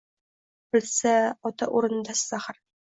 Bilsa, ota o‘rnidasiz, axir.